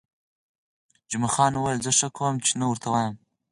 جمعه خان وویل: زه ښه کوم، چې نه ورته وایم.